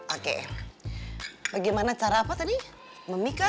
oke bagaimana cara apa tadi memika